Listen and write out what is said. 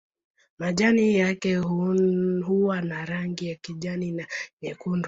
Majani yake huwa na rangi ya kijani au nyekundu.